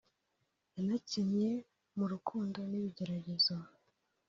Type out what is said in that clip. yanakinnye mu « rukundo n’ibigeragezo »